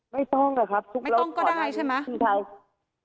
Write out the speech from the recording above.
ไม่ต้องอะครับไม่ต้องก็ได้ใช่ไหม